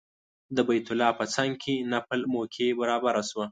د بیت الله په څنګ کې نفل موقع برابره شوه.